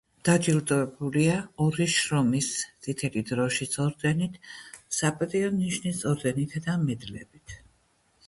დაჯილდოებულია ორი შრომის წითელი დროშის ორდენით, „საპატიო ნიშნის“ ორდენითა და მედლებით.